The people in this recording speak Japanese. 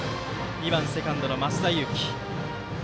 ２番セカンドの増田有紀。